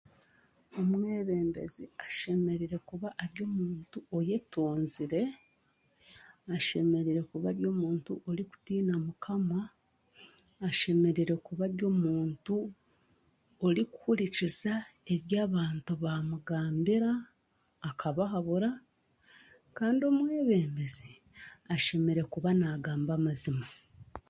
Omwebembezi ashemereire kuba ari omuntu oyetonzire, oshemereire kuba ari omuntu okutiina mukama ashemereire kuba ari omuntu orikuhurikiza ebi abantu baamugambira, akabahabura kandi omwebembezi ashemereire kuba naagamba amazima